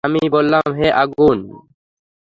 আমি বললাম, হে আগুন!